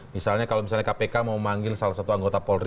misalnya kalau misalnya kpk mau manggil salah satu anggota polri